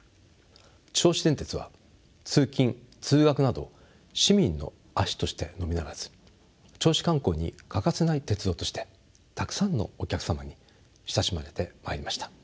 銚子電鉄は通勤通学など市民の足としてのみならず銚子観光に欠かせない鉄道としてたくさんのお客様に親しまれてまいりました。